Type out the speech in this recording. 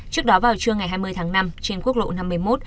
trước đó vào trưa ngày hai mươi tháng năm trên quốc lộ năm mươi một